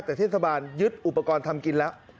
แต่เทศบาลยึดอุปกรณ์ทำกินแล้ว